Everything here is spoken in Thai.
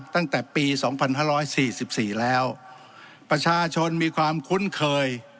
ตั้งแต่ปีสองพันห้าร้อยสี่สิบสี่แล้วประชาชนมีความคุ้นเคย